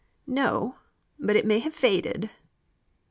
"No! but it may have faded."